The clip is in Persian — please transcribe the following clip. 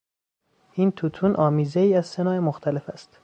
این توتون آمیزهای از سه نوع مختلف است.